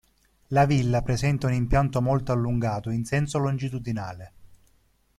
La villa presenta un impianto molto allungato in senso longitudinale.